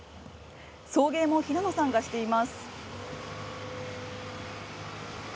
送迎も平野さんがしています。